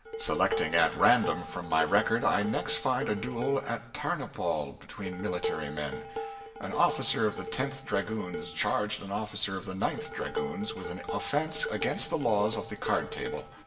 Selecting at random from my record, I next find a duel at Tarnopol between military men. An officer of the Tenth Dragoons charged an officer of the Ninth Dragoons with an offence against the laws of the card table.